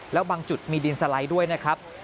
แล้วบางจุดมีดินสไลด์ด้วยนะครับ